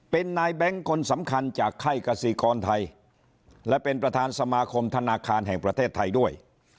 เป็นนายแบงค์คนสำคัญจากไข้กษีกรไทยและเป็นประธานสมาคมธนาคารแห่งประเทศไทยด้วย